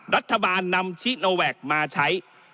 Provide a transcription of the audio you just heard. รัฐบาลนำชิโนแวคมาใช้